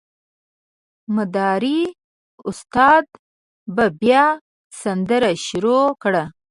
مداري استاد به بیا سندره شروع کړه.